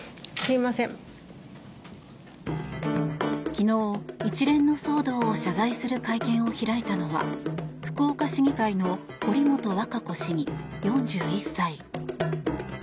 昨日、一連の騒動を謝罪する会見を開いたのは福岡市議会の堀本和歌子市議４１歳。